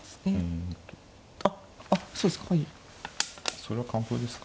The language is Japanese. それは完封ですか。